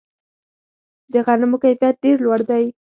د غنمو کیفیت ډیر لوړ دی.